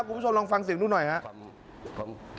คุณผู้ชมลองฟังสิ่งดูหน่อยนะฮะผม